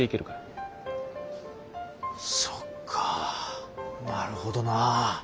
そっかなるほどな。